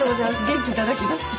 元気いただきました。